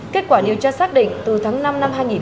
kết quả điều tra xác định từ tháng năm năm hai nghìn hai mươi ba